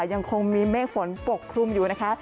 ยังคงมีเมฆฝนปกคลุมอยู่นะคะ